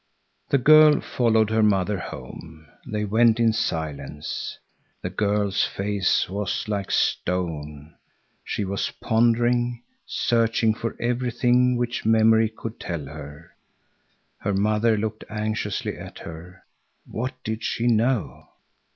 The girl followed her mother home. They went in silence. The girl's face was like stone. She was pondering, searching for everything which memory could tell her. Her mother looked anxiously at her. What did she know?